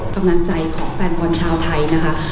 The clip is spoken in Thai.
กำลังใจของแฟนบอลชาวไทยนะคะ